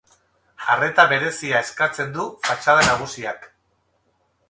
Arreta berezia eskatzen du fatxada nagusiak.